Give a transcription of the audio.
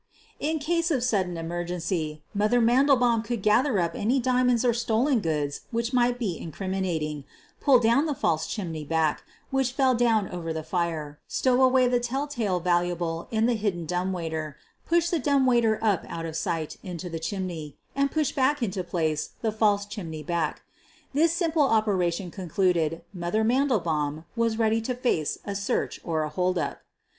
In case of sudden emergency, "Mother" Mandel baum could gather up any diamonds or stolen goods which might be incriminating, pull down the false chimney back, which fell down over the fire, stow away the telltale valuable in the hidden dumb waiter, push the dumb waiter up out of sight into 198 SOPHIE LYONS the chimney, and push back into place the false chimney back. This simple operation concluded) "Mother" Mandelbaum was then ready to face a search or a holdup.